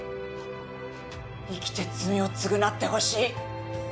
生きて罪を償ってほしい。